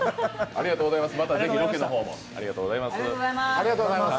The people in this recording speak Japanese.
ありがとうございます。